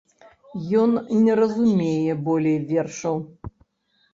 Ён не разумее болей вершаў.